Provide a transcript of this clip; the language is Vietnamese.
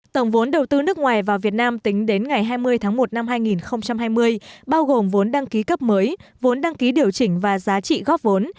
tổng vốn đầu tư nước ngoài vào việt nam tính đến ngày hai mươi tháng một năm hai nghìn hai mươi bao gồm vốn đăng ký cấp mới vốn đăng ký điều chỉnh và giá trị góp vốn